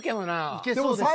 いけそうですよね。